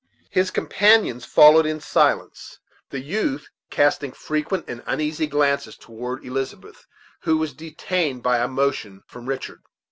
His companions followed in silence, the youth casting frequent and uneasy glances toward Elizabeth, who was detained by a motion from Richard.